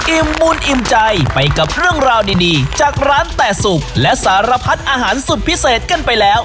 บุญอิ่มใจไปกับเรื่องราวดีจากร้านแต่สุกและสารพัดอาหารสุดพิเศษกันไปแล้ว